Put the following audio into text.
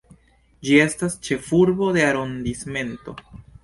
Ĝi estas ĉefurbo de arondismento.